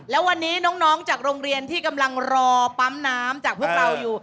แล้ววันนี้น้องจากโรงเรียนที่กำลังรอปั๊มน้ำจากพวกเราอยู่